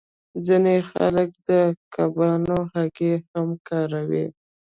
ځینې خلک د کبانو هګۍ هم کاروي